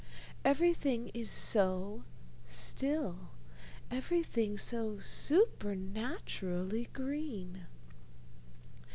Everything is so still, everything so supernaturally green.